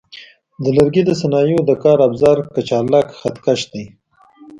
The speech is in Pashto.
د لرګي د صنایعو د کار افزار کچالک خط کش دی.